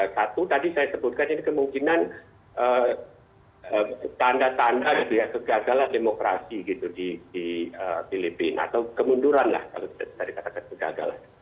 satu tadi saya sebutkan ini kemungkinan tanda tanda kegagalan demokrasi di filipina atau kemunduran lah kalau kita katakan kegagalan